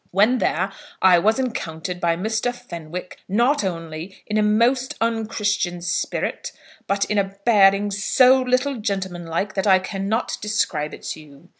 When there I was encountered by Mr. Fenwick, not only in a most unchristian spirit, but in a bearing so little gentlemanlike, that I cannot describe it to you.